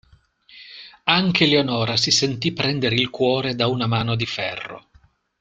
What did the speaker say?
Anche Leonora si sentì prendere il cuore da una mano di ferro.